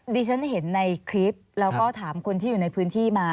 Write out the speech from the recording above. ดิฉันเห็นในคลิปแล้วก็ถามคนที่อยู่ในพื้นที่มา